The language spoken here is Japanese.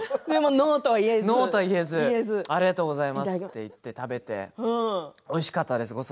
でもノーとは言えずありがとうございますと言って食べて、おいしかったです